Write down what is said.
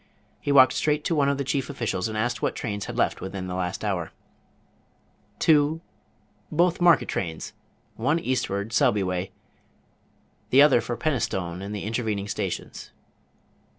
He walked straight to one of the chief officials, and asked what trains had left within the last hour. "Two, both market trains; one eastward, Selby way, the other for Penistone and the intervening stations."